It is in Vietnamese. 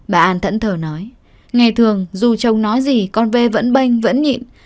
bà an thẫn thờ nói ngày thường dù chồng nói gì con vê vẫn bênh vẫn nhịn